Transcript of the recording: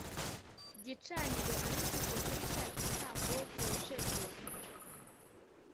gicaniro abishyize kuri cya gitambo cyoshejwe